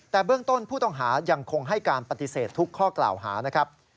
แต่เบื้องต้นผู้ต้องหายังคงให้การปฏิเสธทุกข้อกล่าวหานะครับ